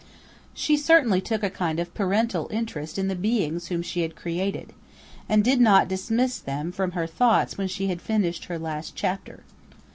She certainly took a kind of parental interest in the beings whom she had created, and did not dismiss them from her thoughts when she had finished her last chapter.